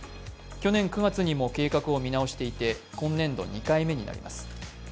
去年９月にも計画を見直していて今年度２回目になります。